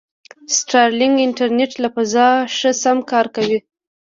سټارلینک انټرنېټ له فضا شه سم کار کوي.